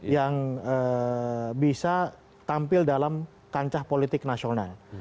yang bisa tampil dalam kancah politik nasional